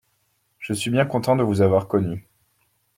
Je suis bien content de vous avoir connus.